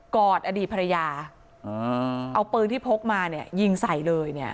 กอดอดีตภรรยาเอาเปลืองที่พกมายิงใสเลย